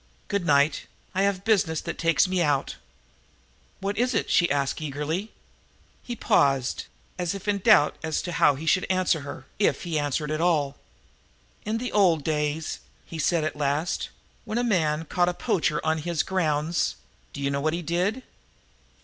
"Good night. I have business that takes me out." "What is it?" she asked eagerly. He paused, as if in doubt as to how he should answer her, if he answered at all. "In the old days," he said at last, "when a man caught a poacher on his grounds, do you know what he did?"